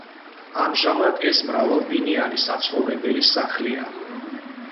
ამჟამად ეს მრავალბინიანი საცხოვრებელი სახლია.